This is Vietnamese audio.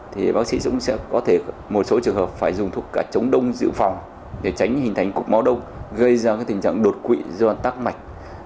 thì bác sĩ dũng sẽ có thể một số trường hợp phải dùng thuốc cả chống đông dự phòng để tránh hình thành cục máu đông gây ra tình trạng đột quỵ do tắc mạch